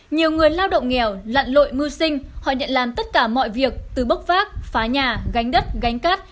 nhiều người lao động nghèo lặn lội mưu sinh họ nhận làm tất cả mọi việc từ bốc vác phá nhà gánh đất gánh cát